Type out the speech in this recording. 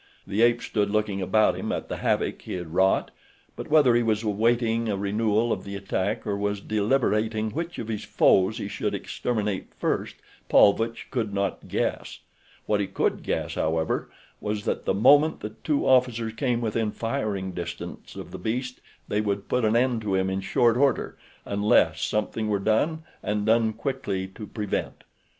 The ape stood looking about him at the havoc he had wrought, but whether he was awaiting a renewal of the attack or was deliberating which of his foes he should exterminate first Paulvitch could not guess. What he could guess, however, was that the moment the two officers came within firing distance of the beast they would put an end to him in short order unless something were done and done quickly to prevent.